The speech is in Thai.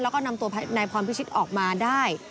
แล้วก็นำตัวนายพรพิชิตออกมาได้